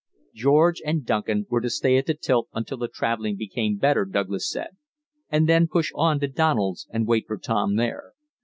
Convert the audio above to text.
George and Duncan were to stay at the tilt until the travelling became better, Douglas said, and then push on to Donald's and wait for Tom there.